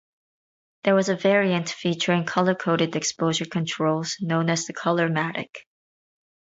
There was a variant featuring color-coded exposure controls known as the Colormatic.